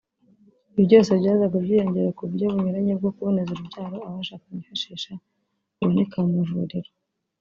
Ibi byose byazaga byiyongera ku buryo bunyuranye bwo kuboneza urubyaro abashakanye bifashisha buboneka mu mavuriro